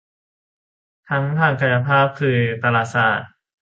ทั้งทางกายภาพคือตลาดสะอาด